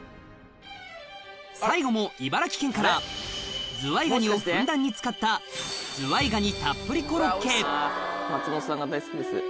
最後も茨城県からをふんだんに使った松本さんが大好きです。